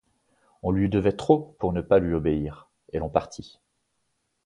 On lui devait trop pour ne pas lui obéir, et l’on partit.